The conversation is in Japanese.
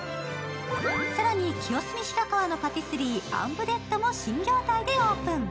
更に清澄白河のパティスリー、アンヴデッドリュクスも新業態でオープン。